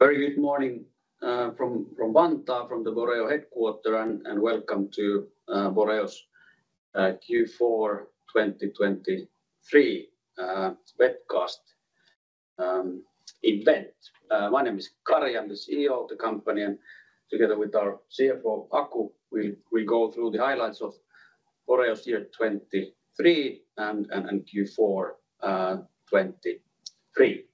Very good morning from Vantaa, from the Boreo headquarters, and welcome to Boreo's Q4 2023 webcast event. My name is Kari Nerg, the CEO of the company, and together with our CFO, Aku, we'll go through the highlights of Boreo's year 2023 and Q4 2023.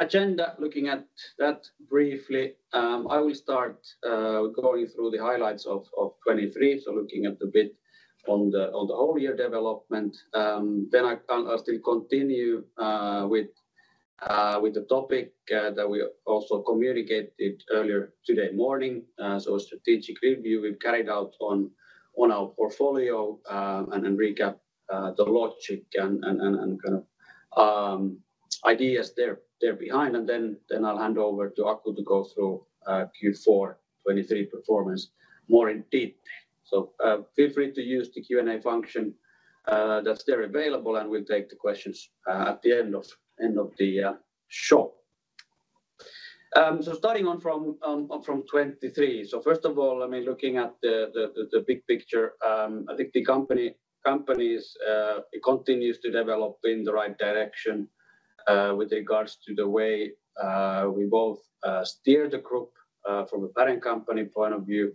Agenda, looking at that briefly, I will start going through the highlights of 2023, so looking at the bit on the whole year development. Then I'll still continue with the topic that we also communicated earlier today morning, so a strategic review we've carried out on our portfolio and recap the logic and kind of ideas there behind. And then I'll hand over to Aku to go through Q4 2023 performance more in detail. So feel free to use the Q&A function that's there available, and we'll take the questions at the end of the show. So starting on from 2023, so first of all, I mean, looking at the big picture, I think the company continues to develop in the right direction with regards to the way we both steer the group from a parent company point of view,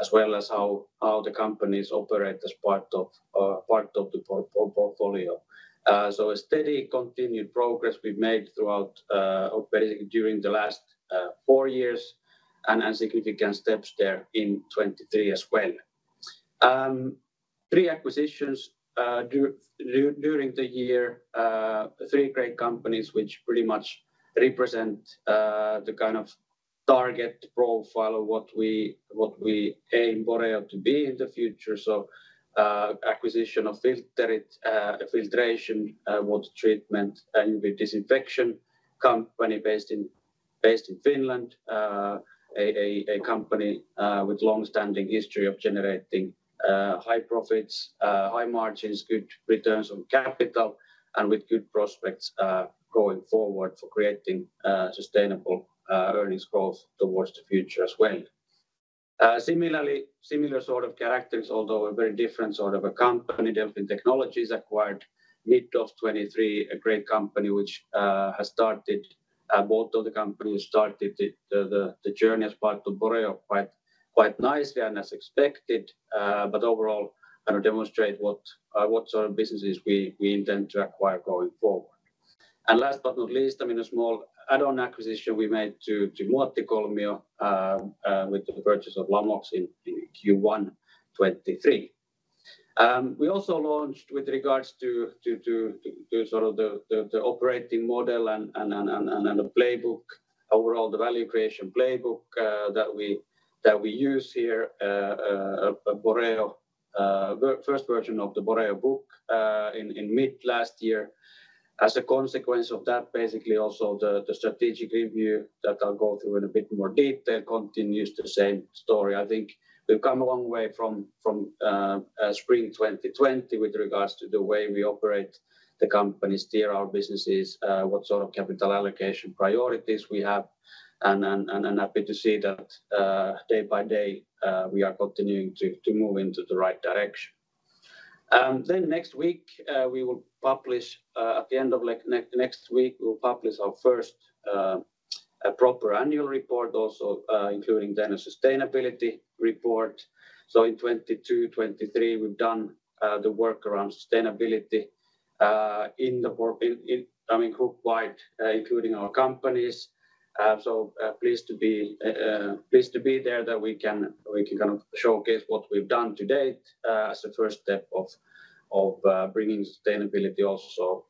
as well as how the companies operate as part of the portfolio. So a steady, continued progress we've made throughout, basically, during the last four years and significant steps there in 2023 as well. Three acquisitions during the year, three great companies which pretty much represent the kind of target profile of what we aim Boreo to be in the future. So acquisition of Filterit, a filtration, water treatment, and UV disinfection company based in Finland, a company with a longstanding history of generating high profits, high margins, good returns on capital, and with good prospects going forward for creating sustainable earnings growth towards the future as well. Similar sort of characteristics, although a very different sort of a company, Delfin Technologies, acquired mid-2023, a great company which has started, both of the companies started the journey as part of Boreo quite nicely and as expected, but overall kind of demonstrate what sort of businesses we intend to acquire going forward. And last but not least, I mean, a small add-on acquisition we made to Muottikolmio with the purchase of Lammix in Q1 2023. We also launched with regards to sort of the operating model and the playbook, overall the value creation playbook that we use here, Boreo, first version of the Boreo Book in mid last year. As a consequence of that, basically, also the strategic review that I'll go through in a bit more detail continues the same story. I think we've come a long way from Spring 2020 with regards to the way we operate the companies, steer our businesses, what sort of capital allocation priorities we have, and I'm happy to see that day by day we are continuing to move into the right direction. Then next week, we will publish, at the end of next week, we will publish our first proper annual report also, including then a sustainability report. So in 2022, 2023, we've done the work around sustainability in the group wide, including our companies. So pleased to be there that we can kind of showcase what we've done to date as a first step of bringing sustainability also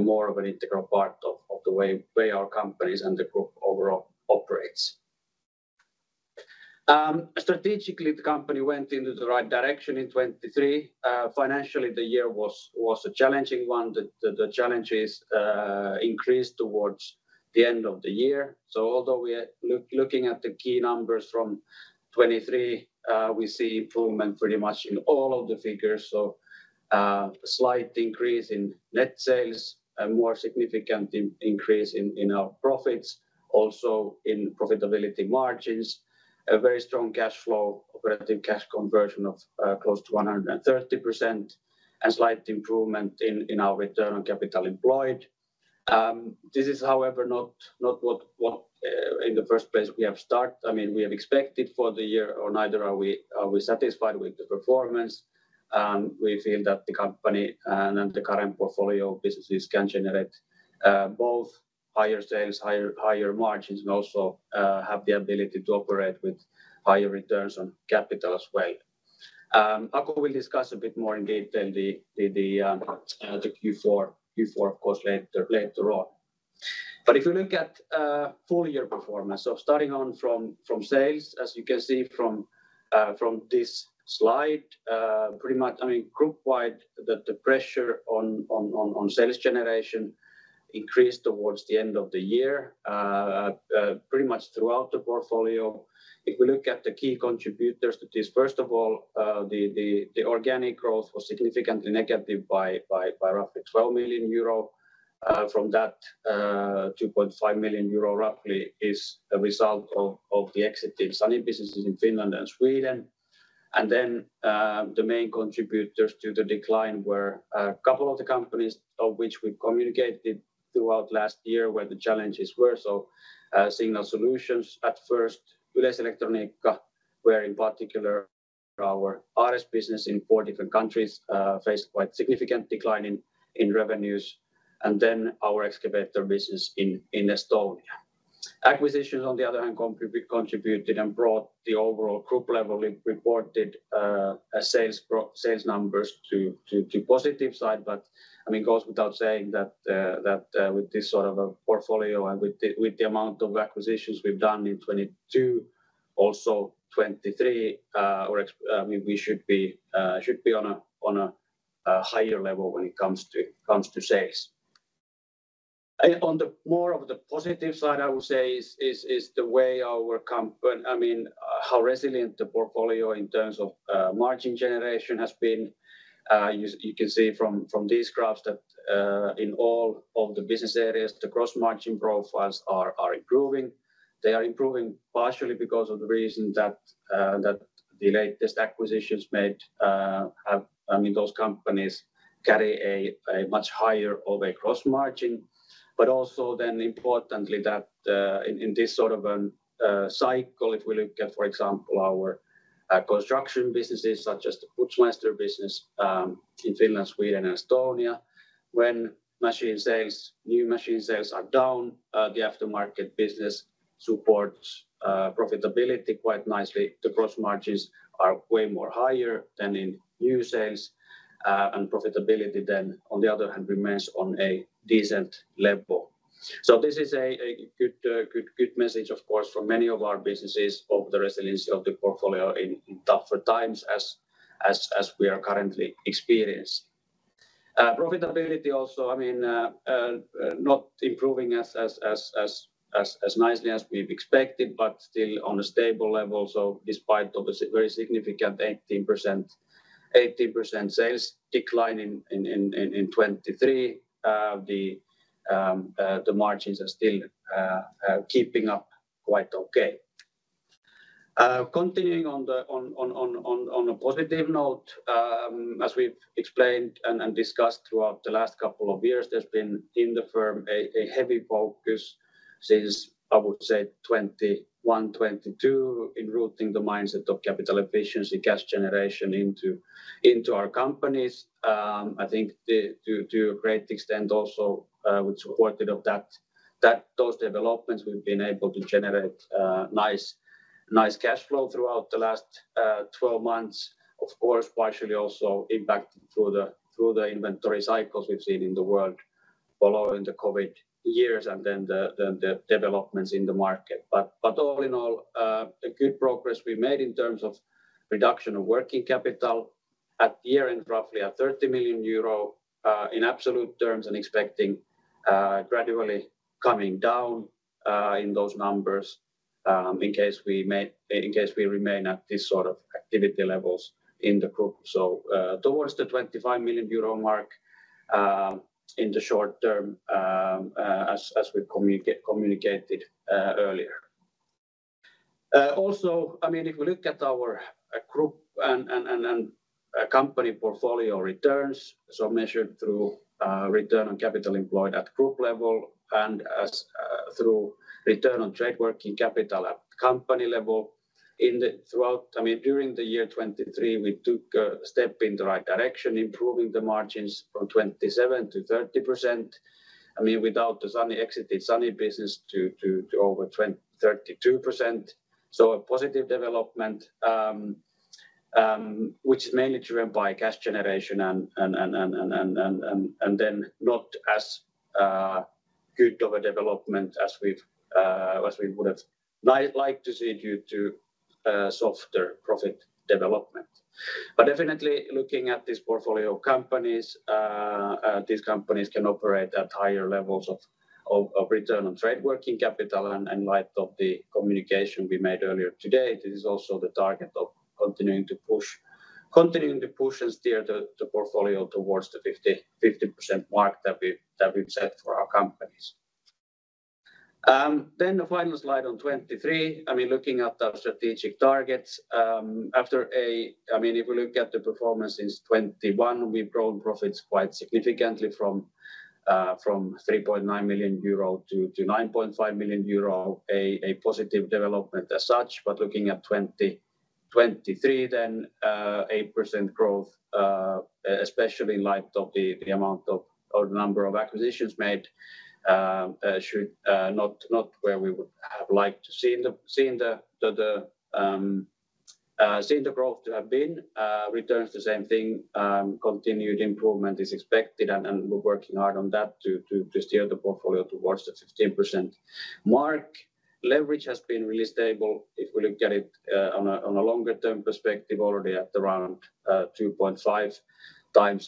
more of an integral part of the way our companies and the group overall operates. Strategically, the company went into the right direction in 2023. Financially, the year was a challenging one. The challenges increased towards the end of the year. So although we're looking at the key numbers from 2023, we see improvement pretty much in all of the figures. So a slight increase in net sales, a more significant increase in our profits, also in profitability margins, a very strong cash flow, operative cash conversion of close to 130%, and slight improvement in our return on capital employed. This is, however, not what in the first place we have started. I mean, we have expected for the year, or neither are we satisfied with the performance. We feel that the company and the current portfolio of businesses can generate both higher sales, higher margins, and also have the ability to operate with higher returns on capital as well. Aku will discuss a bit more in detail the Q4, of course, later on. But if you look at full year performance, so starting on from sales, as you can see from this slide, pretty much, I mean, group wide, the pressure on sales generation increased towards the end of the year, pretty much throughout the portfolio. If we look at the key contributors to this, first of all, the organic growth was significantly negative by roughly 12 million euro. From that, 2.5 million euro roughly is a result of the exit in Sany businesses in Finland and Sweden. And then the main contributors to the decline were a couple of the companies of which we communicated throughout last year where the challenges were. So Signal Solutions at first, Yleiselektroniikka, where in particular our RS business in four different countries faced quite significant decline in revenues, and then our excavator business in Estonia. Acquisitions, on the other hand, contributed and brought the overall group level reported sales numbers to the positive side. But I mean, goes without saying that with this sort of a portfolio and with the amount of acquisitions we've done in 2022, also 2023, I mean, we should be on a higher level when it comes to sales. On the more of the positive side, I would say, is the way our company, I mean, how resilient the portfolio in terms of margin generation has been. You can see from these graphs that in all of the business areas, the gross margin profiles are improving. They are improving partially because of the reason that the latest acquisitions made, I mean, those companies carry a much higher average gross margin. But also then, importantly, that in this sort of a cycle, if we look at, for example, our construction businesses such as the Putzmeister business in Finland, Sweden, and Estonia, when machine sales, new machine sales are down, the aftermarket business supports profitability quite nicely. The gross margins are way more higher than in new sales, and profitability then, on the other hand, remains on a decent level. So this is a good message, of course, for many of our businesses of the resiliency of the portfolio in tougher times as we are currently experiencing. Profitability also, I mean, not improving as nicely as we've expected, but still on a stable level. So despite the very significant 18% sales decline in 2023, the margins are still keeping up quite okay. Continuing on a positive note, as we've explained and discussed throughout the last couple of years, there's been in the firm a heavy focus since, I would say, 2021, 2022, in routing the mindset of capital efficiency, cash generation into our companies. I think to a great extent also, with support of those developments, we've been able to generate nice cash flow throughout the last 12 months, of course, partially also impacted through the inventory cycles we've seen in the world following the COVID years and then the developments in the market. But all in all, a good progress we made in terms of reduction of working capital. At the year end, roughly at 30 million euro in absolute terms and expecting gradually coming down in those numbers in case we remain at this sort of activity levels in the group. So towards the 25 million euro mark in the short term, as we communicated earlier. Also, I mean, if we look at our group and company portfolio returns, so measured through return on capital employed at group level and through return on trade working capital at company level, throughout, I mean, during the year 2023, we took a step in the right direction, improving the margins from 27%-30%, I mean, without the Sany exited Sany business to over 32%. So a positive development, which is mainly driven by cash generation and then not as good of a development as we would have liked to see due to softer profit development. But definitely, looking at this portfolio of companies, these companies can operate at higher levels of return on trade working capital. And in light of the communication we made earlier today, this is also the target of continuing to push and steer the portfolio towards the 50% mark that we've set for our companies. The final slide on 2023, I mean, looking at our strategic targets, after, I mean, if we look at the performance since 2021, we've grown profits quite significantly from 3.9 million euro to 9.5 million euro, a positive development as such. But looking at 2023, then 8% growth, especially in light of the amount of or the number of acquisitions made, should not where we would have liked to see the growth to have been. Returns the same thing, continued improvement is expected, and we're working hard on that to steer the portfolio towards the 15% mark. Leverage has been really stable. If we look at it on a longer-term perspective, already at around 2.5x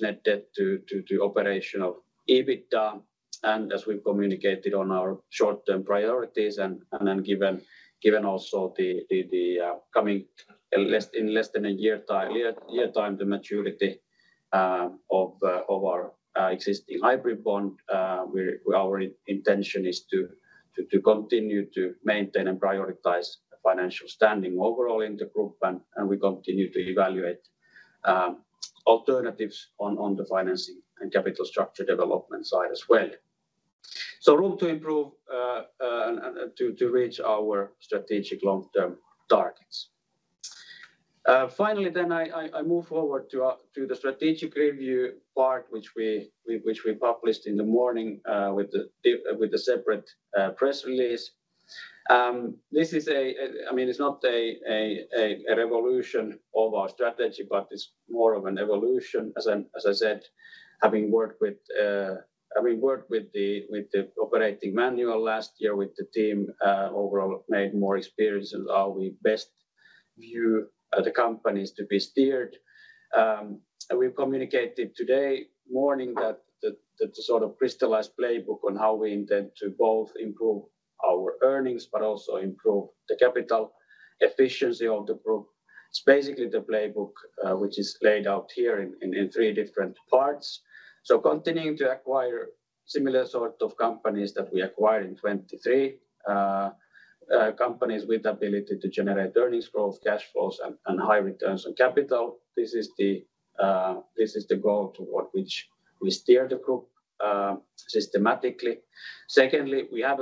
net debt to operational EBITDA. As we've communicated on our short-term priorities and given also the coming in less than a year time to maturity of our existing hybrid bond, our intention is to continue to maintain and prioritize financial standing overall in the group. We continue to evaluate alternatives on the financing and capital structure development side as well. Room to improve and to reach our strategic long-term targets. Finally, then I move forward to the strategic review part, which we published in the morning with a separate press release. This is a, I mean, it's not a revolution of our strategy, but it's more of an evolution. As I said, having worked with, I mean, worked with the operating manual last year with the team, overall made more experience in how we best view the companies to be steered. We've communicated today morning that the sort of crystallized playbook on how we intend to both improve our earnings, but also improve the capital efficiency of the group. It's basically the playbook, which is laid out here in three different parts. So continuing to acquire similar sort of companies that we acquired in 2023, companies with the ability to generate earnings growth, cash flows, and high returns on capital. This is the goal toward which we steer the group systematically. Secondly, we have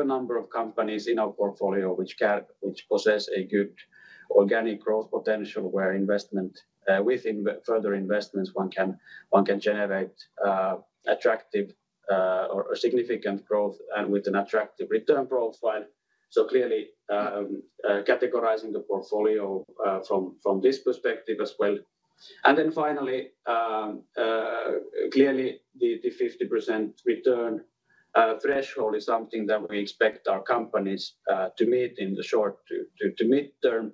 a number of companies in our portfolio which possess a good organic growth potential, where with further investments, one can generate attractive or significant growth and with an attractive return profile. So clearly categorizing the portfolio from this perspective as well. And then finally, clearly, the 50% return threshold is something that we expect our companies to meet in the short- to mid-term.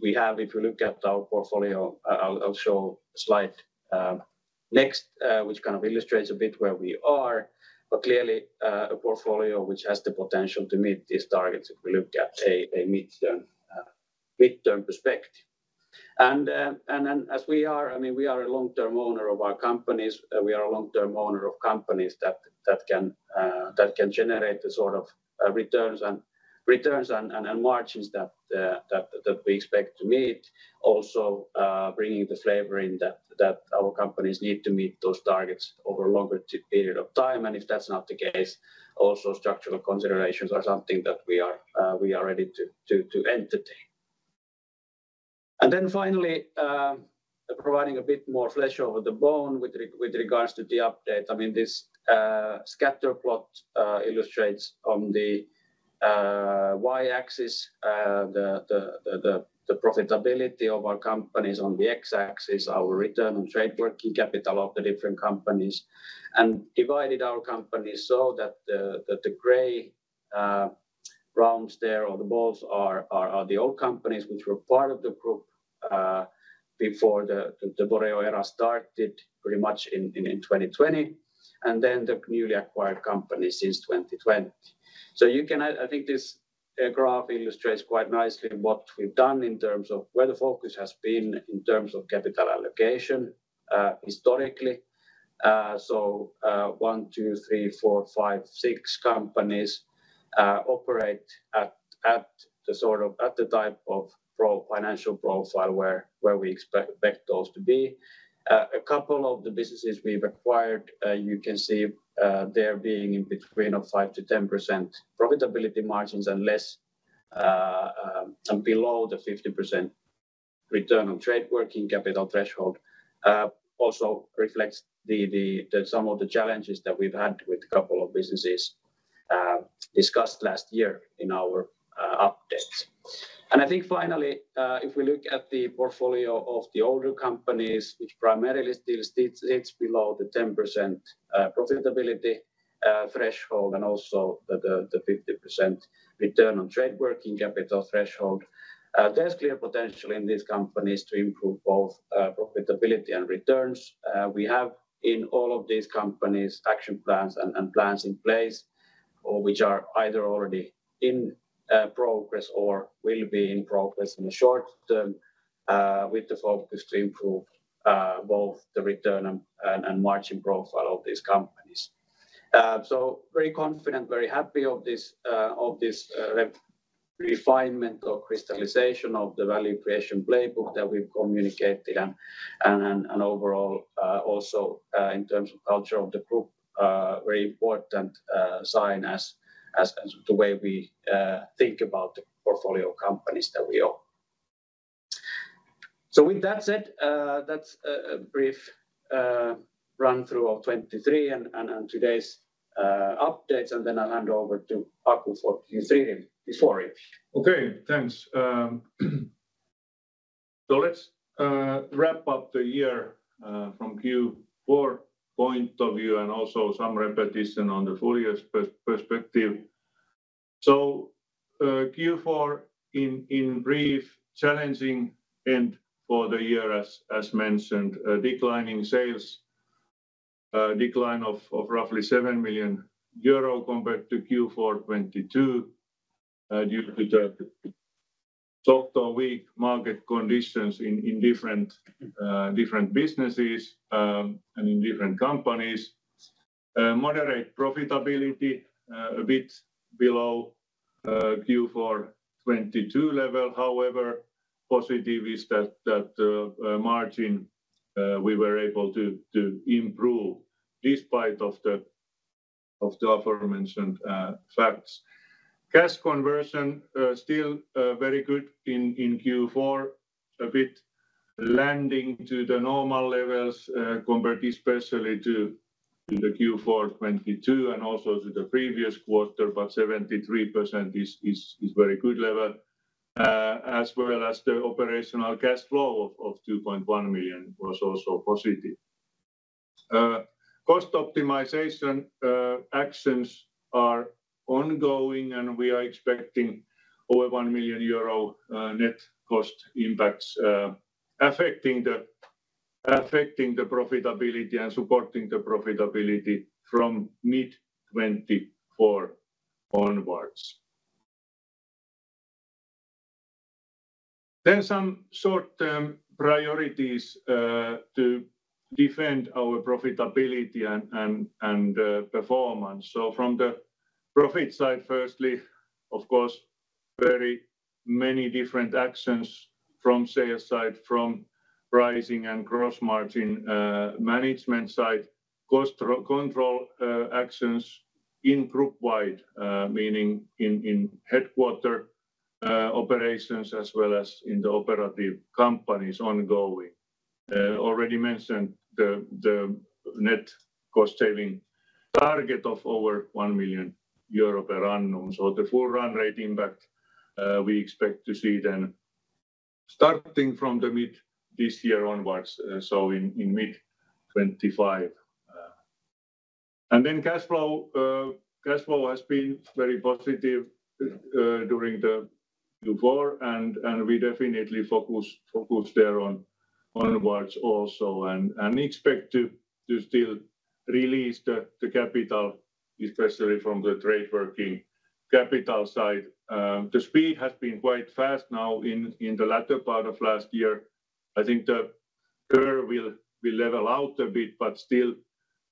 We have, if we look at our portfolio, I'll show a slide next which kind of illustrates a bit where we are. But clearly, a portfolio which has the potential to meet these targets if we look at a mid-term perspective. And as we are, I mean, we are a long-term owner of our companies. We are a long-term owner of companies that can generate the sort of returns and margins that we expect to meet, also bringing the flavor in that our companies need to meet those targets over a longer period of time. If that's not the case, also structural considerations are something that we are ready to entertain. Then finally, providing a bit more flesh over the bone with regards to the update. I mean, this scatter plot illustrates, on the Y-axis, the profitability of our companies, on the X-axis, our return on trade working capital of the different companies, and divided our companies so that the gray rounds there, or the balls, are the old companies which were part of the group before the Boreo era started pretty much in 2020, and then the newly acquired companies since 2020. So you can, I think this graph illustrates quite nicely what we've done in terms of where the focus has been in terms of capital allocation historically. So 1, 2, 3, 4, 5, 6 companies operate at the sort of at the type of financial profile where we expect those to be. A couple of the businesses we've acquired, you can see there being in between of 5%-10% profitability margins and below the 50% return on trade working capital threshold. [This] also reflects some of the challenges that we've had with a couple of businesses discussed last year in our updates. And I think finally, if we look at the portfolio of the older companies, which primarily still sits below the 10% profitability threshold and also the 50% return on trade working capital threshold, there's clear potential in these companies to improve both profitability and returns. We have in all of these companies action plans and plans in place which are either already in progress or will be in progress in the short term with the focus to improve both the return and margin profile of these companies. So very confident, very happy of this refinement or crystallization of the value creation playbook that we've communicated. And overall, also in terms of culture of the group, very important sign as to the way we think about the portfolio of companies that we own. So with that said, that's a brief run-through of 2023 and today's updates. And then I'll hand over to Aku for Q3 before him. Okay. Thanks. So let's wrap up the year from Q4 point of view and also some repetition on the full year's perspective. So Q4, in brief, challenging end for the year, as mentioned, declining sales, decline of roughly 7 million euro compared to Q4 2022 due to the softer weak market conditions in different businesses and in different companies. Moderate profitability, a bit below Q4 2022 level. However, positive is that margin, we were able to improve despite of the aforementioned facts. Cash conversion, still very good in Q4, a bit landing to the normal levels compared especially to the Q4 2022 and also to the previous quarter, but 73% is very good level, as well as the operational cash flow of 2.1 million was also positive. Cost optimization actions are ongoing, and we are expecting over 1 million euro net cost impacts affecting the profitability and supporting the profitability from mid-2024 onwards. Then some short-term priorities to defend our profitability and performance. So from the profit side, firstly, of course, very many different actions from sales side, from pricing and gross margin management side, cost control actions group-wide, meaning in headquarters operations as well as in the operative companies ongoing. Already mentioned the net cost saving target of over 1 million euro per annum. So the full run rate impact we expect to see then starting from the mid this year onwards, so in mid-2025. And then cash flow has been very positive during the Q4, and we definitely focused there onwards also and expect to still release the capital, especially from the trade working capital side. The speed has been quite fast now in the latter part of last year. I think the curve will level out a bit, but still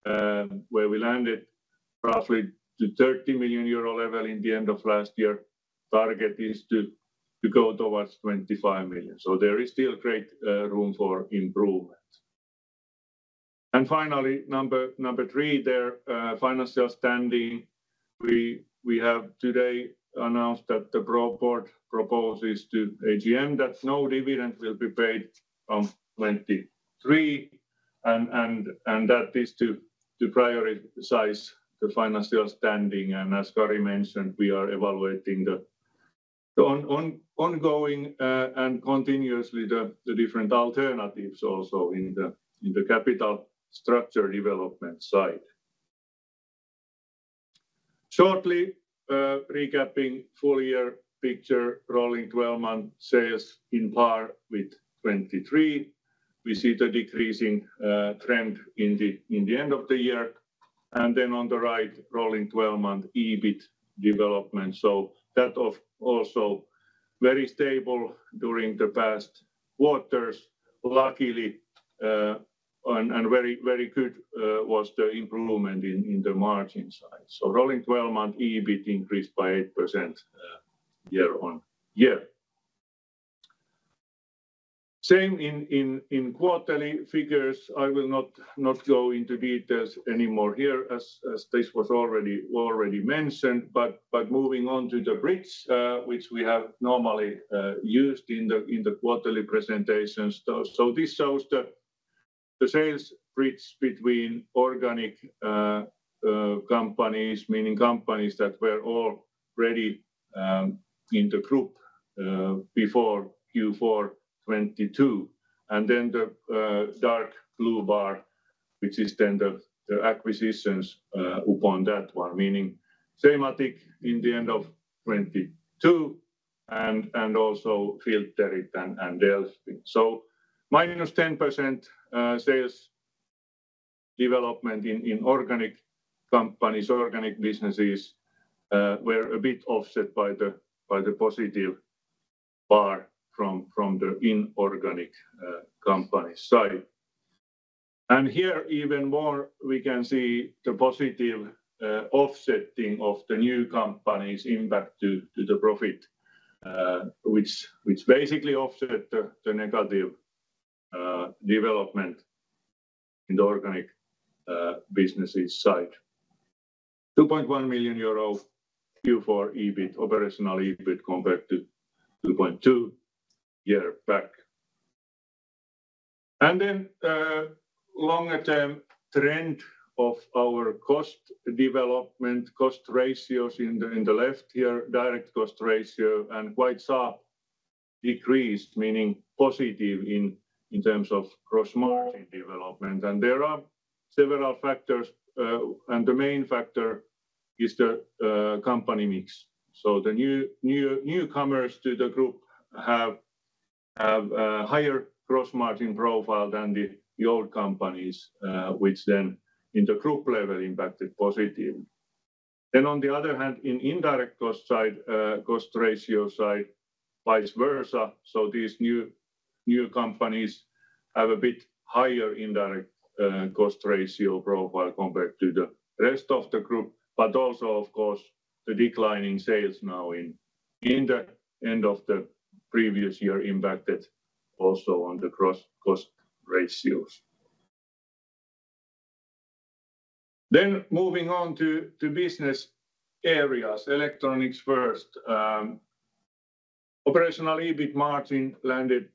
where we landed, roughly the 30 million euro level in the end of last year, target is to go towards 25 million. So there is still great room for improvement. And finally, number three there, financial standing. We have today announced that the board proposes to AGM that no dividend will be paid from 2023, and that is to prioritize the financial standing. And as Kari mentioned, we are evaluating the ongoing and continuously the different alternatives also in the capital structure development side. Shortly, recapping full year picture, rolling 12-month sales in par with 2023. We see the decreasing trend in the end of the year. And then on the right, rolling 12-month EBIT development. So that also very stable during the past quarters. Luckily, and very good was the improvement in the margin side. So rolling 12-month EBIT increased by 8% year-on-year. Same in quarterly figures. I will not go into details anymore here as this was already mentioned. But moving on to the bridge, which we have normally used in the quarterly presentations. This shows the sales bridge between organic companies, meaning companies that were already in the group before Q4 2022. Then the dark blue bar, which is then the acquisitions upon that one, meaning Sematic in the end of 2022 and also Filterit and Delfin. Minus 10% sales development in organic companies; organic businesses were a bit offset by the positive bar from the inorganic companies side. And here even more, we can see the positive offsetting of the new companies' impact to the profit, which basically offset the negative development in the organic businesses side. 2.1 million euro Q4 operational EBIT compared to 2.2 million year back. Then, longer-term trend of our cost development, cost ratios on the left here, direct cost ratio and quite sharp decrease, meaning positive in terms of gross-margin development. There are several factors, and the main factor is the company mix. So the newcomers to the group have a higher gross-margin profile than the old companies, which then in the group level impacted positive. Then on the other hand, in indirect cost ratio side, vice versa. So these new companies have a bit higher indirect cost ratio profile compared to the rest of the group, but also, of course, the declining sales now in the end of the previous year impacted also on the gross-cost ratios. Then moving on to business areas, electronics first. Operational EBIT margin landed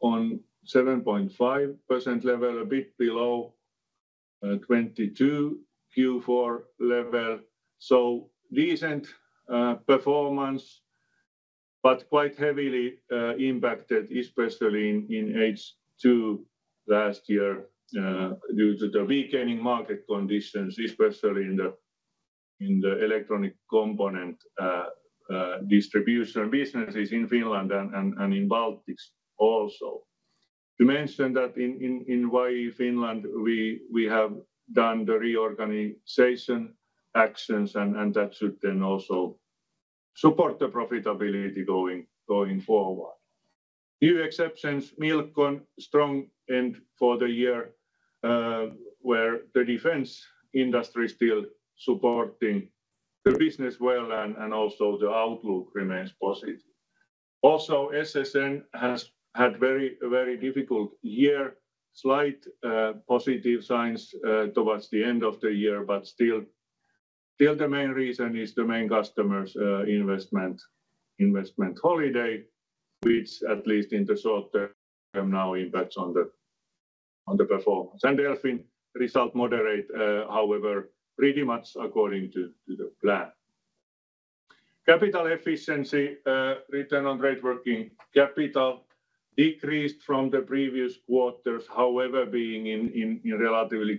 on 7.5% level, a bit below 2022 Q4 level. So decent performance, but quite heavily impacted especially in H2 last year due to the weakening market conditions, especially in the electronic component distribution businesses in Finland and in Baltics also. To mention that in YE Finland, we have done the reorganization actions, and that should then also support the profitability going forward. Few exceptions, Milcon, strong end for the year where the defense industry is still supporting the business well, and also the outlook remains positive. Also, SSN has had a very difficult year, slight positive signs towards the end of the year, but still the main reason is the main customers' investment holiday, which at least in the short term now impacts on the performance. And Delfin result moderate, however, pretty much according to the plan. Capital efficiency, return on trade working capital decreased from the previous quarters, however, being in relatively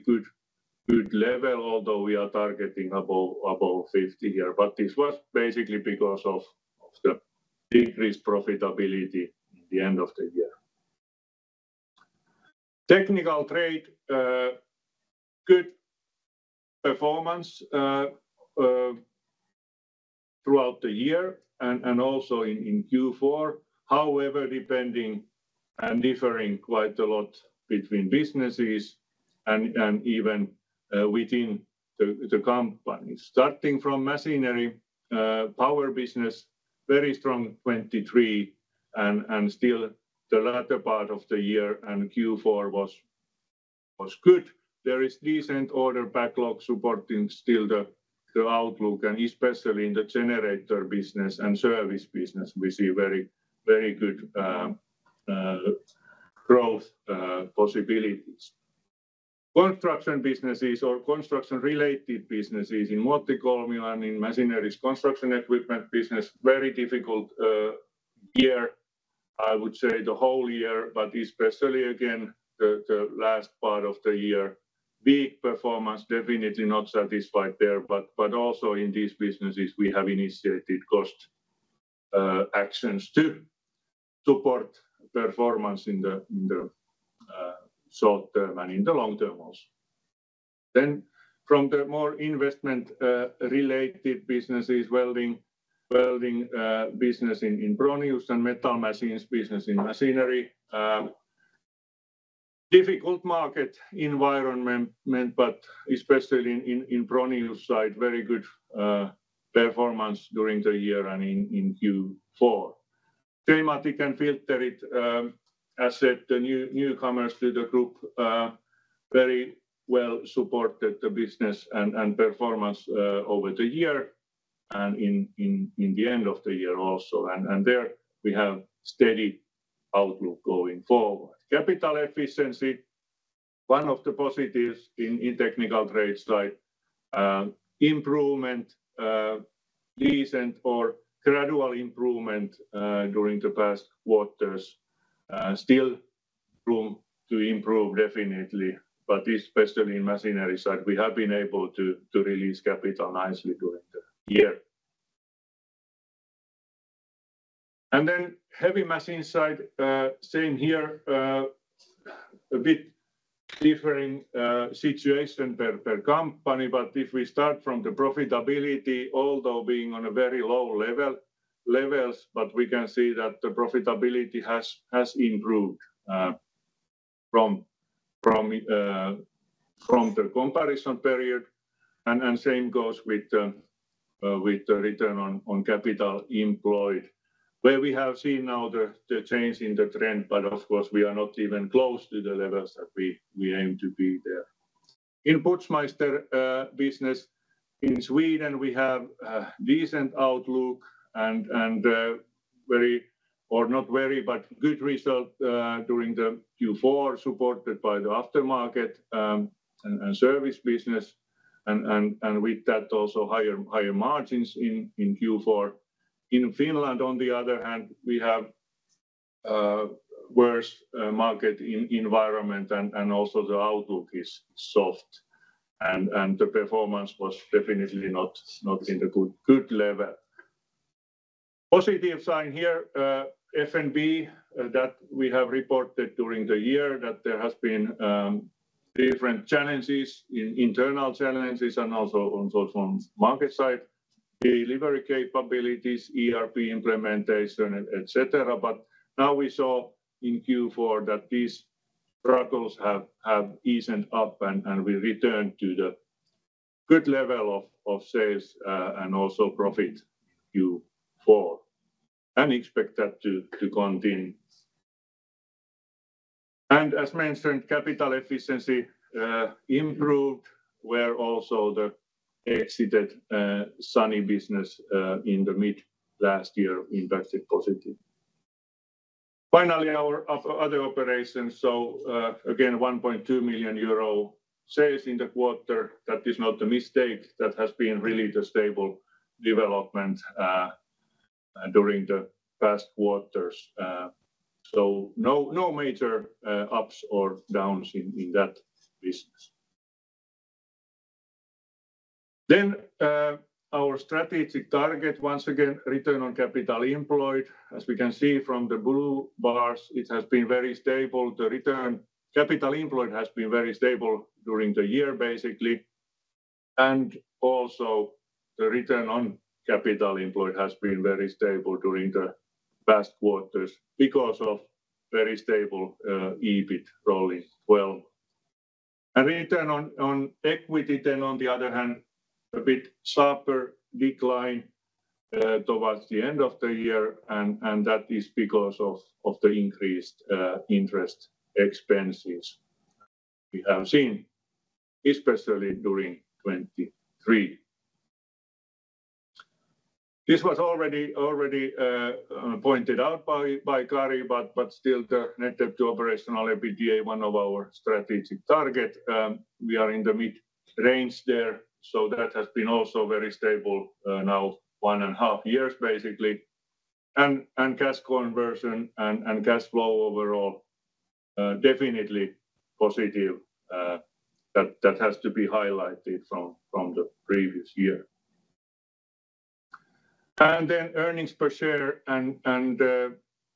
good level, although we are targeting above 50 here. This was basically because of the decreased profitability in the end of the year. Technical Trade, good performance throughout the year and also in Q4. However, depending and differing quite a lot between businesses and even within the companies, starting from Machinery, power business, very strong 2023, and still the latter part of the year and Q4 was good. There is decent order backlog supporting still the outlook, and especially in the generator business and service business, we see very good growth possibilities. Construction businesses or construction-related businesses in Muottikolmio and in Machinery's construction equipment business, very difficult year, I would say the whole year, but especially again the last part of the year, weak performance, definitely not satisfied there. But also in these businesses, we have initiated cost actions to support performance in the short term and in the long term also. Then from the more investment-related businesses, welding business in Fronius and metal machines business in Machinery, difficult market environment, but especially in Fronius side, very good performance during the year and in Q4. Sematic and Filterit, as said, the newcomers to the group very well supported the business and performance over the year and in the end of the year also. And there we have steady outlook going forward. Capital efficiency, one of the positives in technical trade side, improvement, decent or gradual improvement during the past quarters, still room to improve definitely, but especially in Machinery side, we have been able to release capital nicely during the year. And then heavy machine side, same here, a bit differing situation per company, but if we start from the profitability, although being on a very low levels, but we can see that the profitability has improved from the comparison period. And same goes with the return on capital employed, where we have seen now the change in the trend, but of course, we are not even close to the levels that we aim to be there. In Putzmeister business in Sweden, we have decent outlook and very or not very, but good result during the Q4 supported by the aftermarket and service business, and with that also higher margins in Q4. In Finland, on the other hand, we have worse market environment, and also the outlook is soft, and the performance was definitely not in the good level. Positive sign here, FNB that we have reported during the year that there have been different challenges, internal challenges and also from market side, delivery capabilities, ERP implementation, etc. But now we saw in Q4 that these struggles have eased up, and we returned to the good level of sales and also profit in Q4 and expect that to continue. And as mentioned, capital efficiency improved, where also the exited Sany business in the mid last year impacted positive. Finally, our other operations, so again, 1.2 million euro sales in the quarter, that is not a mistake. That has been really the stable development during the past quarters. So no major ups or downs in that business. Then our strategic target, once again, return on capital employed. As we can see from the blue bars, it has been very stable. The return on capital employed has been very stable during the year, basically. The return on capital employed has also been very stable during the past quarters because of very stable EBIT rolling 12. Return on equity then, on the other hand, a bit sharper decline towards the end of the year, and that is because of the increased interest expenses we have seen, especially during 2023. This was already pointed out by Kari, but still the net debt to operational EBITDA is one of our strategic targets. We are in the mid-range there, so that has been also very stable now 1.5 years, basically. Cash conversion and cash flow overall, definitely positive. That has to be highlighted from the previous year. Then earnings per share and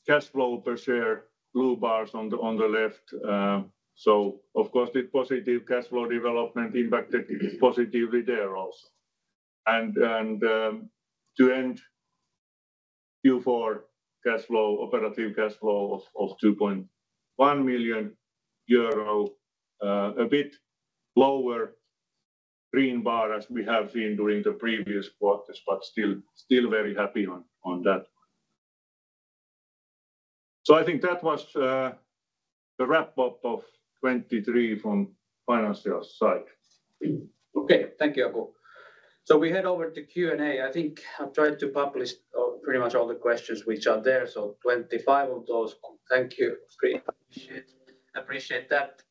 cash flow per share, blue bars on the left. So of course, the positive cash flow development impacted positively there also. And to end Q4, operative cash flow of 2.1 million euro, a bit lower, green bar as we have seen during the previous quarters, but still very happy on that one. So I think that was the wrap-up of 2023 from financials side. Okay. Thank you, Aku. So we head over to Q&A. I think I've tried to publish pretty much all the questions which are there. So 25 of those, thank you. Appreciate that.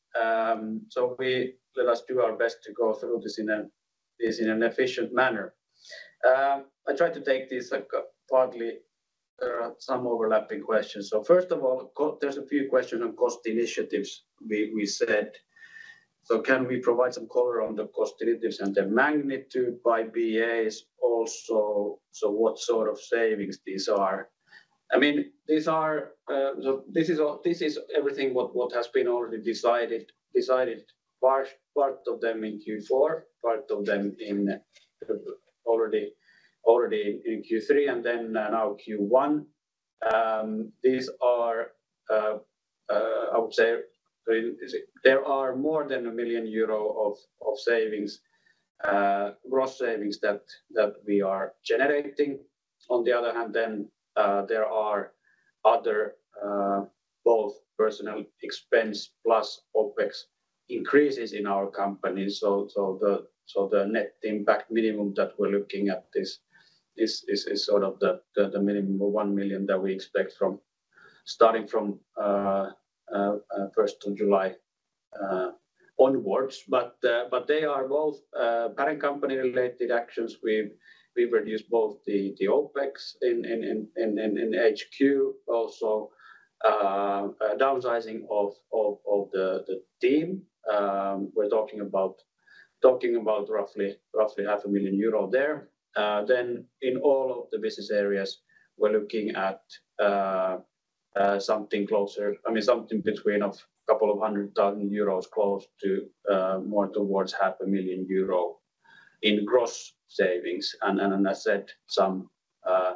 So let us do our best to go through this in an efficient manner. I tried to take this partly. There are some overlapping questions. So first of all, there's a few questions on cost initiatives we said. So can we provide some color on the cost initiatives and their magnitude by BAs also? So what sort of savings these are? I mean, these are so this is everything what has been already decided, part of them in Q4, part of them already in Q3, and then now Q1. These are, I would say, there are more than 1 million euro of savings, gross savings that we are generating. On the other hand, then there are other both personal expense plus OpEx increases in our company. So the net impact minimum that we're looking at is sort of the minimum of 1 million that we expect starting from 1st of July onwards. But they are both parent company-related actions. We've reduced both the OpEx in HQ, also downsizing of the team. We're talking about roughly 500,000 euro there. Then in all of the business areas, we're looking at something closer, I mean, something between 200,000 euros close to more towards 500,000 euro in gross savings. And as said, some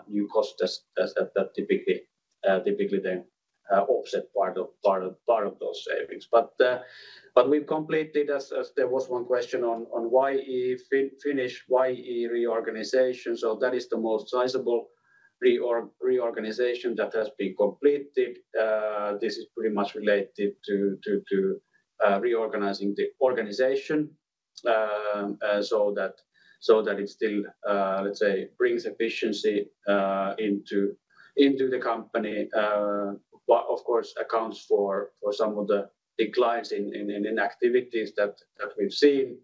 new costs that typically then offset part of those savings. But we've completed, as there was one question on YE Finland, YE reorganization. So that is the most sizable reorganization that has been completed. This is pretty much related to reorganizing the organization so that it still, let's say, brings efficiency into the company, of course, accounts for some of the declines in activities that we've seen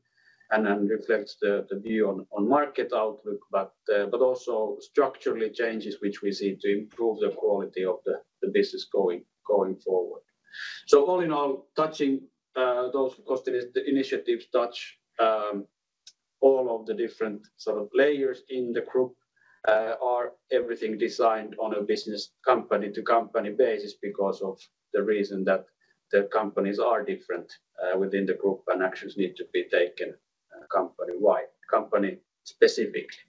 and reflects the view on market outlook, but also structurally changes which we see to improve the quality of the business going forward. So all in all, touching those cost initiatives, touch all of the different sort of layers in the group, are everything designed on a business company-to-company basis because of the reason that the companies are different within the group and actions need to be taken company-wide, company-specifically.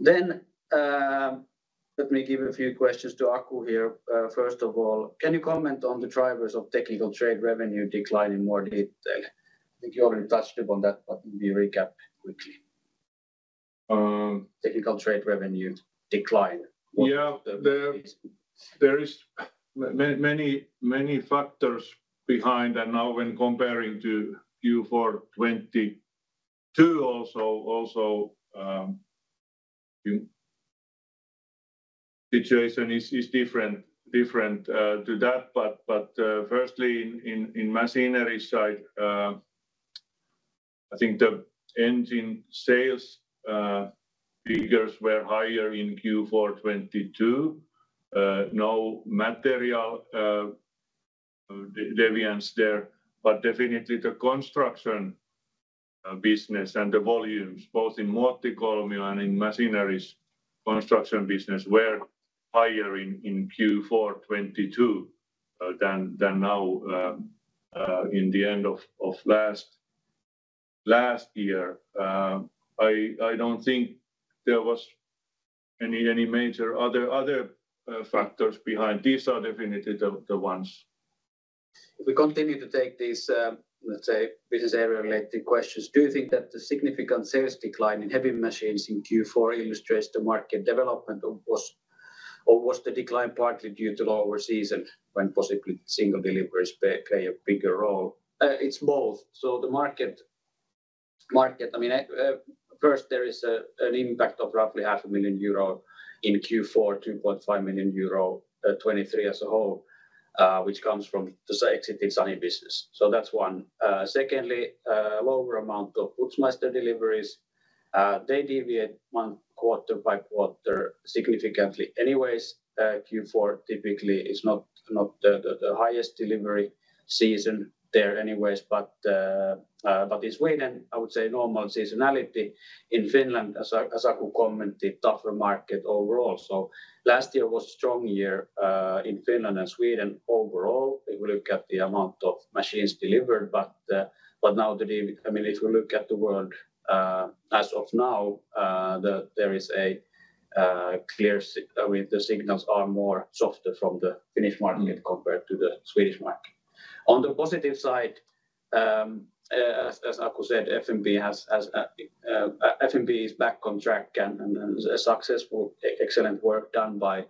Then let me give a few questions to Aku here. First of all, can you comment on the drivers of technical trade revenue decline in more detail? I think you already touched upon that, but we recap quickly. Technical trade revenue decline. Yeah. There are many factors behind, and now when comparing to Q4 2022 also, situation is different to that. But firstly, in machinery side, I think the engine sales figures were higher in Q4 2022. No material deviation there. But definitely, the construction business and the volumes, both in Muottikolmio and in Machinery, construction business were higher in Q4 2022 than now in the end of last year. I don't think there was any major other factors behind. These are definitely the ones. If we continue to take these, let's say, business area-related questions, do you think that the significant sales decline in heavy machines in Q4 illustrates the market development, or was the decline partly due to lower season when, possibly, single deliveries play a bigger role? It's both. So the market, I mean, first, there is an impact of roughly 0.5 million euro in Q4, 2.5 million euro 2023 as a whole, which comes from the exited Sany business. So that's one. Secondly, lower amount of Putzmeister deliveries. They deviate one quarter by quarter significantly anyways. Q4 typically is not the highest delivery season there anyways. But in Sweden, I would say normal seasonality. In Finland, as Aku commented, tougher market overall. So last year was a strong year in Finland and Sweden overall. If we look at the amount of machines delivered, but now, I mean, if we look at the world as of now, there is a clear signal are more softer from the Finnish market compared to the Swedish market. On the positive side, as Aku said, FNB is back on track and successful, excellent work done by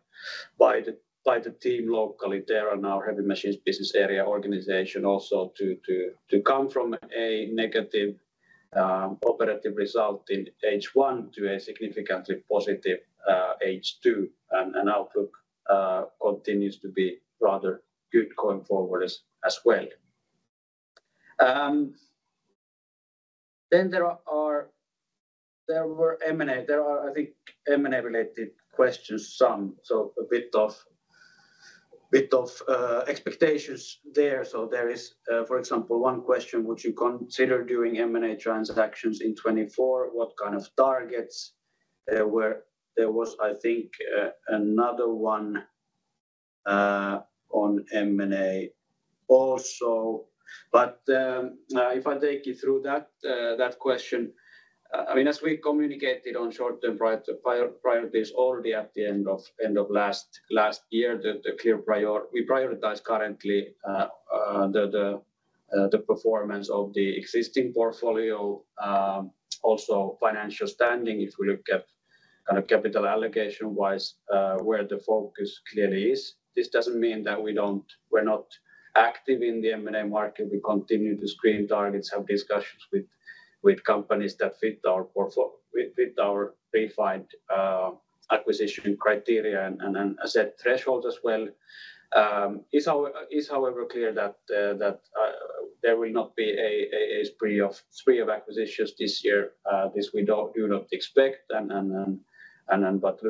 the team locally. There are now heavy machines business area organization also to come from a negative operative result in H1 to a significantly positive H2. And outlook continues to be rather good going forward as well. Then there were M&A. There are, I think, M&A-related questions, some. So a bit of expectations there. So there is, for example, one question: would you consider doing M&A transactions in 2024? What kind of targets? There was, I think, another one on M&A also. But if I take you through that question, I mean, as we communicated on short-term priorities already at the end of last year, we prioritize currently the performance of the existing portfolio, also financial standing, if we look at kind of capital allocation-wise, where the focus clearly is. This doesn't mean that we're not active in the M&A market. We continue to screen targets, have discussions with companies that fit our refined acquisition criteria and asset thresholds as well. It's, however, clear that there will not be a spree of acquisitions this year. This we do not expect. But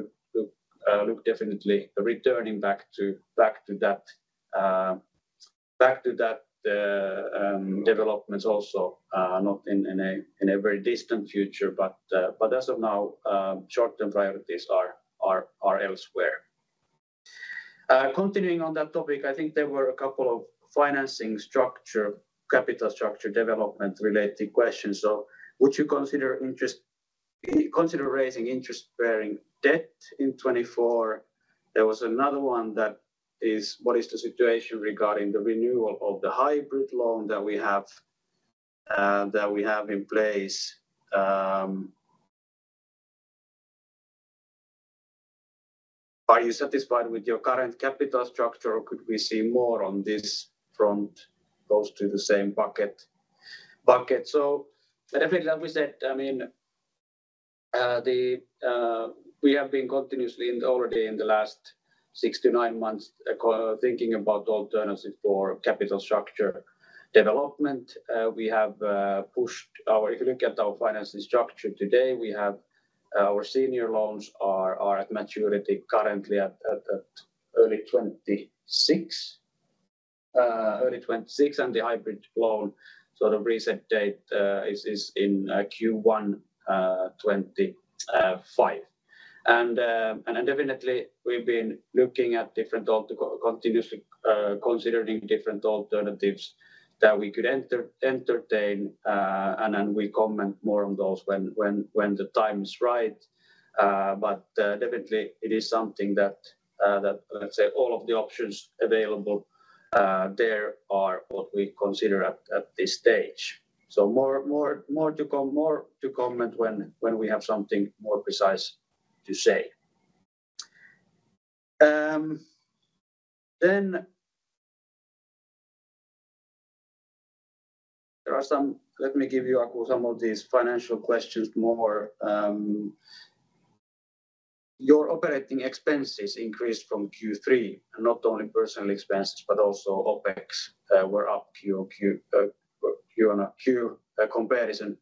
look definitely returning back to that developments also, not in a very distant future. But as of now, short-term priorities are elsewhere. Continuing on that topic, I think there were a couple of financing structure, capital structure development-related questions. So would you consider raising interest-bearing debt in 2024? There was another one that is, what is the situation regarding the renewal of the hybrid bond that we have in place? Are you satisfied with your current capital structure, or could we see more on this front goes to the same bucket? So definitely, as we said, I mean, we have been continuously already in the last six to nine months thinking about alternatives for capital structure development. We have pushed our if you look at our financing structure today, our senior loans are at maturity currently at early 2026. Early 2026, and the hybrid bond sort of reset date is in Q1 2025. And definitely, we've been looking at different continuously considering different alternatives that we could entertain. We comment more on those when the time is right. But definitely, it is something that, let's say, all of the options available there are what we consider at this stage. So more to comment when we have something more precise to say. Then there are some. Let me give you, Aku, some of these financial questions more. Your operating expenses increased from Q3, not only personnel expenses, but also OpEx were up Q and Q comparison.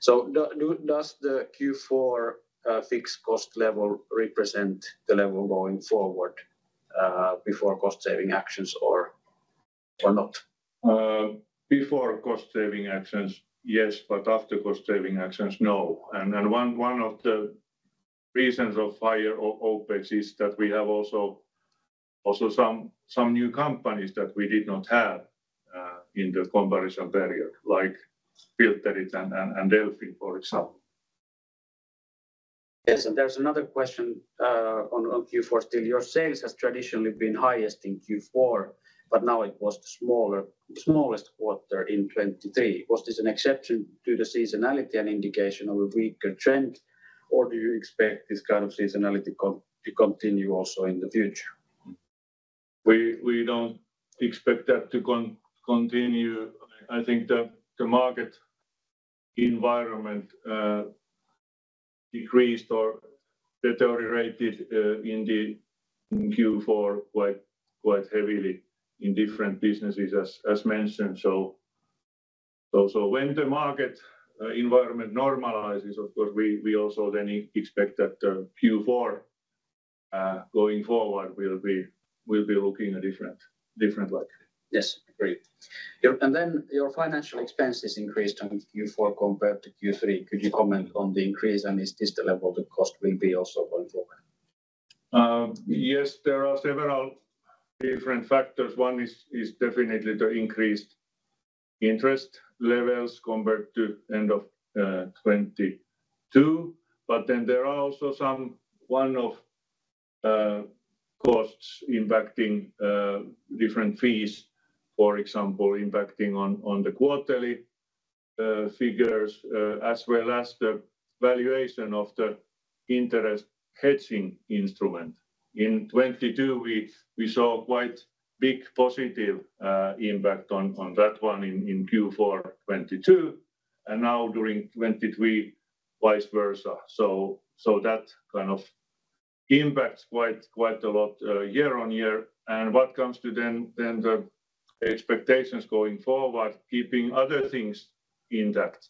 So does the Q4 fixed cost level represent the level going forward before cost-saving actions or not? Before cost-saving actions, yes, but after cost-saving actions, no. And one of the reasons of higher OpEx is that we have also some new companies that we did not have in the comparison period, like Filterit and Delfin, for example. Yes. And there's another question on Q4 still. Your sales have traditionally been highest in Q4, but now it was the smallest quarter in 2023. Was this an exception to the seasonality and indication of a weaker trend, or do you expect this kind of seasonality to continue also in the future? We don't expect that to continue. I think the market environment decreased or deteriorated in Q4 quite heavily in different businesses, as mentioned. So when the market environment normalizes, of course, we also then expect that Q4 going forward will be looking different like. Yes. Agreed. And then your financial expenses increased on Q4 compared to Q3. Could you comment on the increase, and is this the level the cost will be also going forward? Yes. There are several different factors. One is definitely the increased interest levels compared to end of 2022. But then there are also some one-off costs impacting different fees, for example, impacting on the quarterly figures, as well as the valuation of the interest hedging instrument. In 2022, we saw quite big positive impact on that one in Q4 2022. And now during 2023, vice versa. So that kind of impacts quite a lot year-on-year. And what comes to then the expectations going forward, keeping other things intact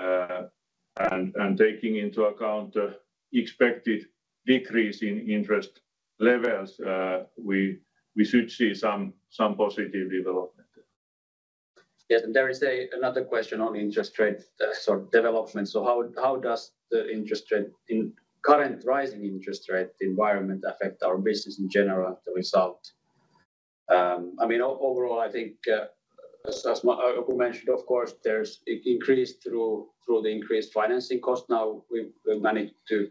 and taking into account the expected decrease in interest levels, we should see some positive development. Yes. And there is another question on interest rate sort of development. So how does the current rising interest rate environment affect our business in general, the result? I mean, overall, I think, as Aku mentioned, of course, there's increased through the increased financing cost. Now, we've managed to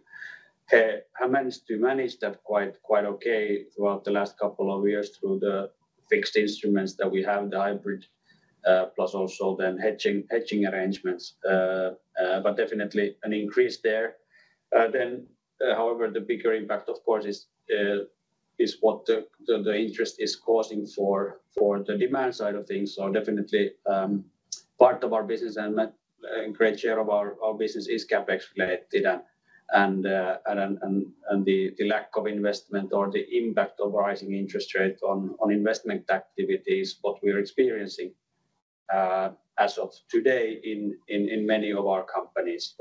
manage that quite okay throughout the last couple of years through the fixed instruments that we have, the hybrid, plus also then hedging arrangements. But definitely, an increase there. Then, however, the bigger impact, of course, is what the interest is causing for the demand side of things. So definitely, part of our business and a great share of our business is CapEx-related. And the lack of investment or the impact of rising interest rate on investment activity is what we're experiencing as of today in many of our companies.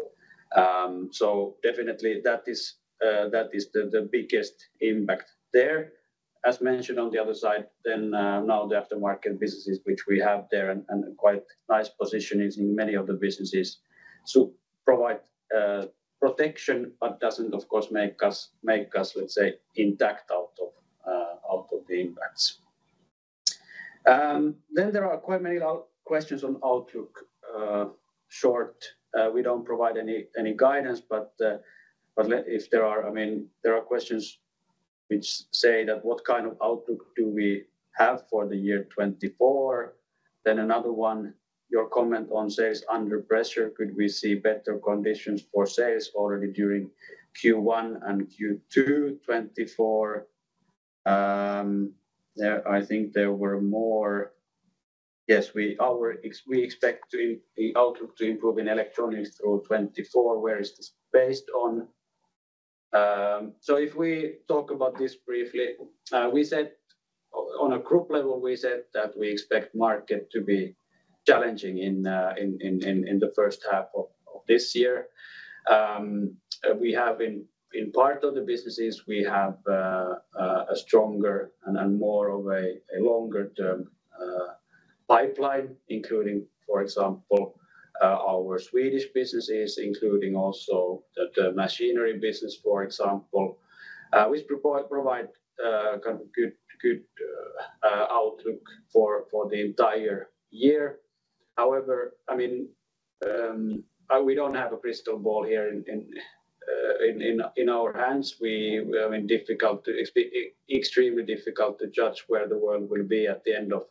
So definitely, that is the biggest impact there. As mentioned on the other side, then now the aftermarket businesses, which we have there and quite nice positioning in many of the businesses, provide protection but doesn't, of course, make us, let's say, intact out of the impacts. Then there are quite many questions on outlook short. We don't provide any guidance. But if there are—I mean, there are questions which say that what kind of outlook do we have for the year 2024? Then another one, your comment on sales under pressure. Could we see better conditions for sales already during Q1 and Q2 2024? I think there were more. Yes. We expect the outlook to improve in Electronics through 2024. Where is this based on? So if we talk about this briefly, on a group level, we said that we expect market to be challenging in the first half of this year. In part of the businesses, we have a stronger and more of a longer-term pipeline, including, for example, our Swedish businesses, including also the Machinery business, for example, which provide kind of good outlook for the entire year. However, I mean, we don't have a crystal ball here in our hands. I mean, extremely difficult to judge where the world will be at the end of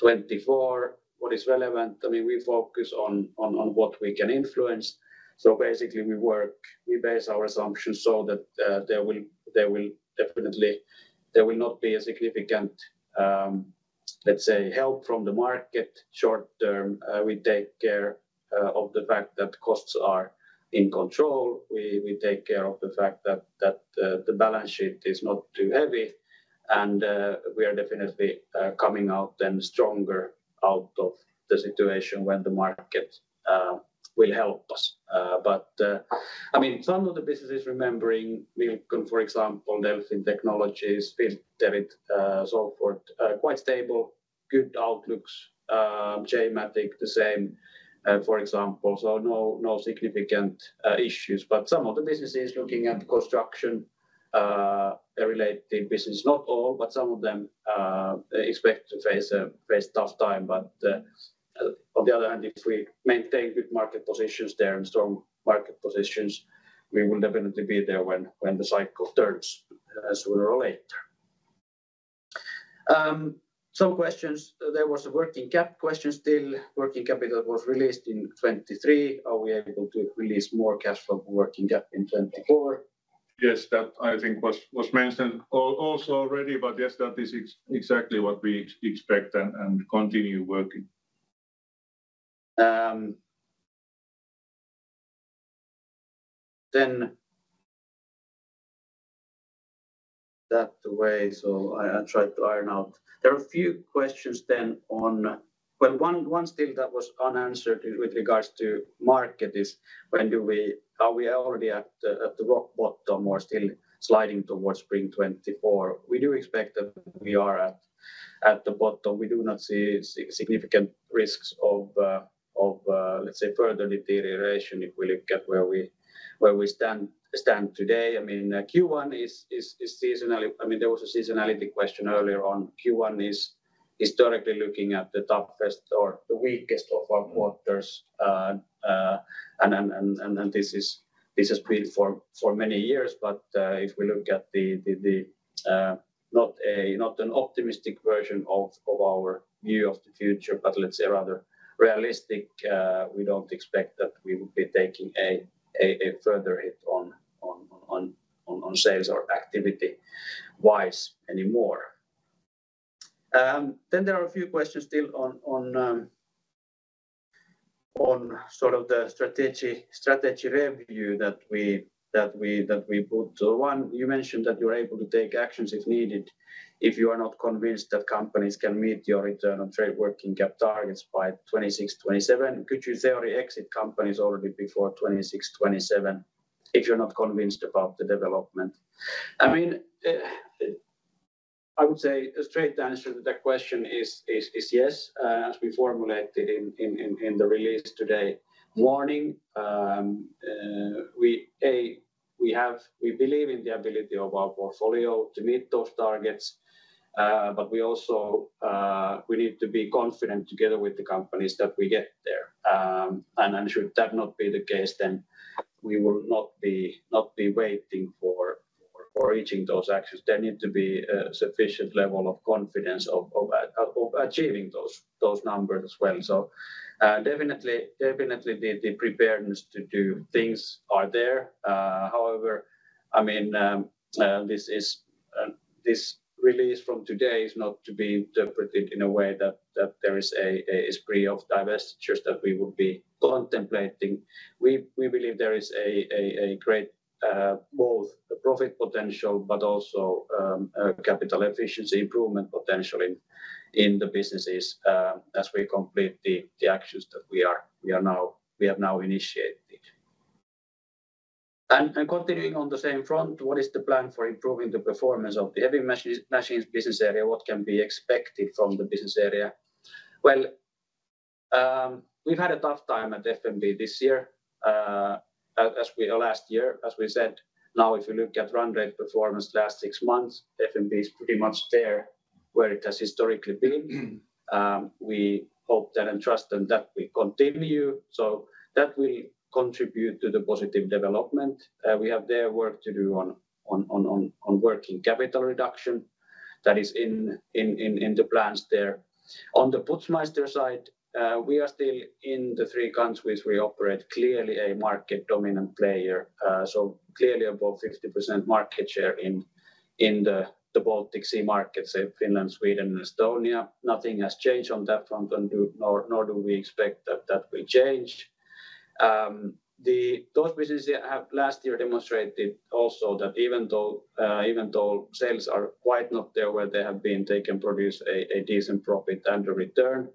2024. What is relevant? I mean, we focus on what we can influence. So basically, we base our assumptions so that there will definitely there will not be a significant, let's say, help from the market short term. We take care of the fact that costs are in control. We take care of the fact that the balance sheet is not too heavy. And we are definitely coming out then stronger out of the situation when the market will help us. But I mean, some of the businesses remembering Milcon, for example, Delfin Technologies, Filterit, so forth, quite stable, good outlooks. Sematic, the same, for example. So no significant issues. But some of the businesses looking at construction-related business, not all, but some of them expect to face a tough time. But on the other hand, if we maintain good market positions there and strong market positions, we will definitely be there when the cycle turns sooner or later. Some questions. There was a working cap question still. Working capital was released in 2023. Are we able to release more cash from working cap in 2024? Yes. That I think was mentioned also already. But yes, that is exactly what we expect and continue working. Then that way, so I tried to iron out. There are a few questions then on, well, one still that was unanswered with regards to market is when do we are we already at the rock bottom or still sliding towards spring 2024? We do expect that we are at the bottom. We do not see significant risks of, let's say, further deterioration if we look at where we stand today. I mean, Q1 is seasonally. I mean, there was a seasonality question earlier on. Q1 is historically looking at the toughest or the weakest of our quarters. And this has been for many years. But if we look at the not an optimistic version of our view of the future, but let's say rather realistic, we don't expect that we would be taking a further hit on sales or activity-wise anymore. Then there are a few questions still on sort of the strategy review that we put. One, you mentioned that you're able to take actions if needed if you are not convinced that companies can meet your return on trade working cap targets by 2026-2027. Could you thereby exit companies already before 2026-2027 if you're not convinced about the development? I mean, I would say the straight answer to that question is yes, as we formulated in the release this morning. We believe in the ability of our portfolio to meet those targets. We also need to be confident together with the companies that we get there. Should that not be the case, then we will not be waiting for reaching those actions. There needs to be a sufficient level of confidence of achieving those numbers as well. Definitely, the preparedness to do things are there. However, I mean, this release from today is not to be interpreted in a way that there is a spree of divestitures that we would be contemplating. We believe there is a great both profit potential but also capital efficiency improvement potential in the businesses as we complete the actions that we have now initiated. Continuing on the same front, what is the plan for improving the performance of the heavy machines business area? What can be expected from the business area? Well, we've had a tough time at FNB this year as we last year, as we said. Now, if you look at run rate performance last 6 months, FNB is pretty much there where it has historically been. We hope then and trust them that we continue. So that will contribute to the positive development. We have there work to do on working capital reduction that is in the plans there. On the Putzmeister side, we are still in the 3 countries we operate, clearly a market dominant player, so clearly above 50% market share in the Baltic Sea markets, Finland, Sweden, and Estonia. Nothing has changed on that front, nor do we expect that will change. Those businesses have last year demonstrated also that even though sales are quite not there where they have been taken, produce a decent profit and a return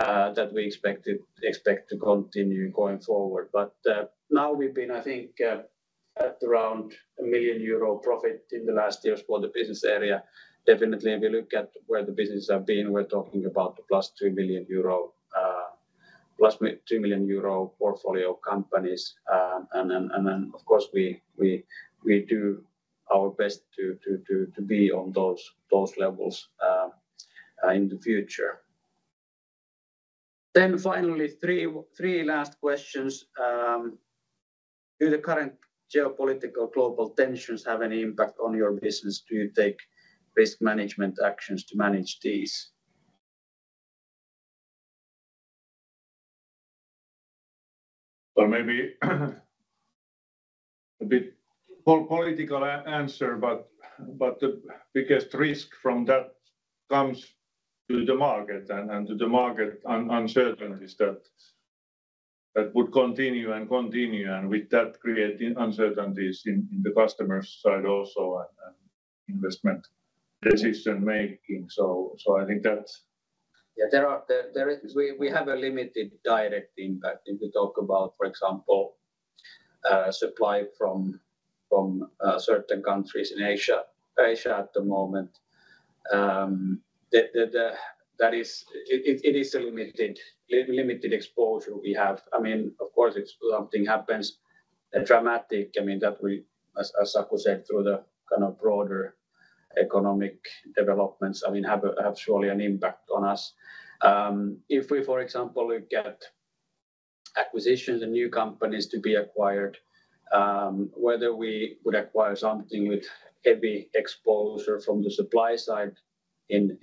that we expect to continue going forward. But now we've been, I think, at around 1 million euro profit in the last years for the business area. Definitely, if you look at where the businesses have been, we're talking about the plus 2 million euro portfolio companies. And then, of course, we do our best to be on those levels in the future. Then finally, three last questions. Do the current geopolitical global tensions have any impact on your business? Do you take risk management actions to manage these? So, maybe a bit political answer, but the biggest risk from that comes to the market and to the market uncertainties that would continue and continue and with that creating uncertainties in the customer side also and investment decision-making. So I think that. Yeah. We have a limited direct impact if we talk about, for example, supply from certain countries in Asia at the moment. It is a limited exposure we have. I mean, of course, if something happens dramatic, I mean, that will, as Aku said, through the kind of broader economic developments, I mean, have surely an impact on us. If we, for example, look at acquisitions and new companies to be acquired, whether we would acquire something with heavy exposure from the supply side in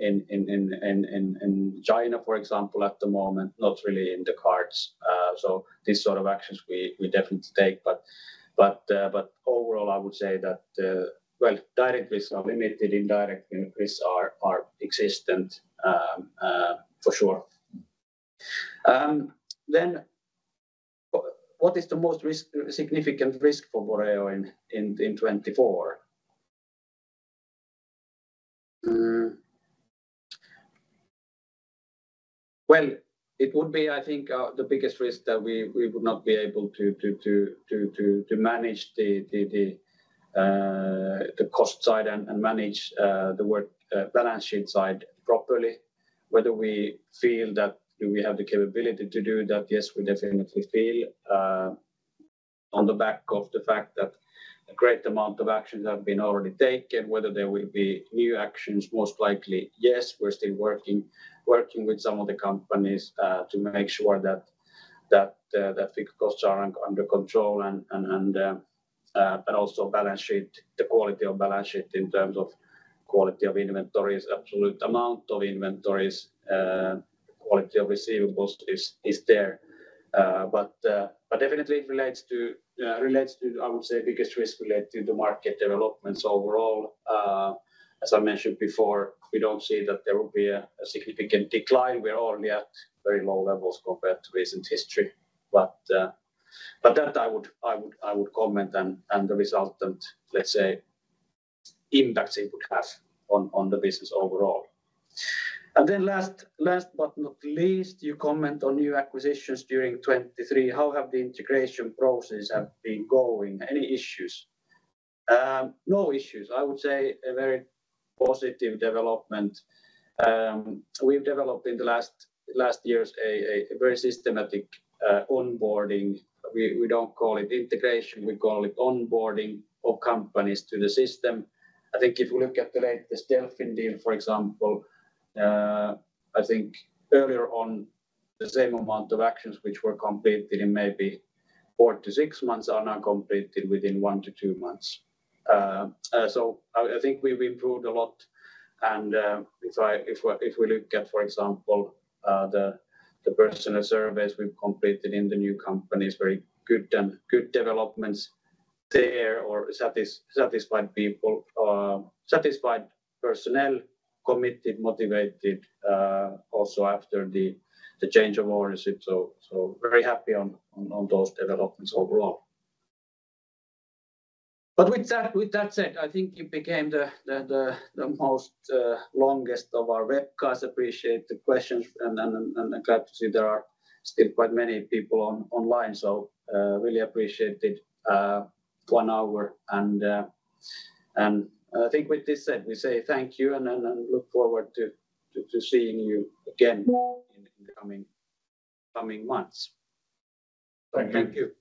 China, for example, at the moment, not really in the cards. So these sort of actions we definitely take. But overall, I would say that, well, direct risks are limited. Indirect risks are existent for sure. Then what is the most significant risk for Boreo in 2024? Well, it would be, I think, the biggest risk that we would not be able to manage the cost side and manage the balance sheet side properly. Whether we feel that do we have the capability to do that? Yes, we definitely feel on the back of the fact that a great amount of actions have been already taken. Whether there will be new actions, most likely, yes. We're still working with some of the companies to make sure that fixed costs are under control and also the quality of balance sheet in terms of quality of inventories, absolute amount of inventories, quality of receivables is there. But definitely, it relates to, I would say, biggest risk related to market developments overall. As I mentioned before, we don't see that there will be a significant decline. We're only at very low levels compared to recent history. But that I would comment and the resultant, let's say, impact it would have on the business overall. And then last but not least, you comment on new acquisitions during 2023. How have the integration processes been going? Any issues? No issues. I would say a very positive development. We've developed in the last years a very systematic onboarding. We don't call it integration. We call it onboarding of companies to the system. I think if we look at the latest Delfin deal, for example, I think earlier on, the same amount of actions which were completed in maybe 4-6 months are now completed within 1-2 months. So I think we've improved a lot. And if we look at, for example, the personnel surveys we've completed in the new companies, very good developments there, or satisfied people, satisfied personnel, committed, motivated also after the change of ownership. So very happy on those developments overall. But with that said, I think it became the most longest of our webcast. Appreciate the questions. I'm glad to see there are still quite many people online. Really appreciated one hour. I think with this said, we say thank you and look forward to seeing you again in the coming months. Thank you.